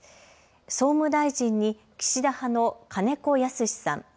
総務大臣に岸田派の金子恭之さん。